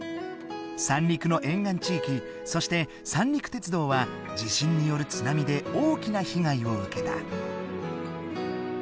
三陸の沿岸地域そして三陸鉄道は地震による津波で大きな被害を受けた。